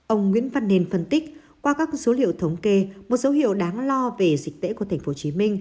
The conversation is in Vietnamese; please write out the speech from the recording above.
ông nguyễn văn nền phân tích qua các số liệu thống kê một số hiệu đáng lo về dịch tễ của tp hcm